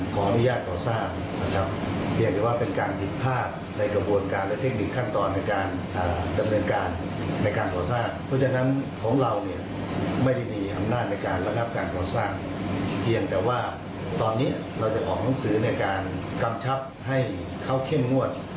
หลักวิศวกรรมในการก่อสร้าง